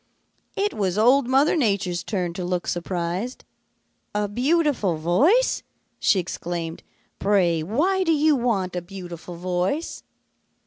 "It was Old Mother Nature's turn to look surprised. 'A beautiful voice!' she exclaimed. 'Pray, why do you want a beautiful voice?'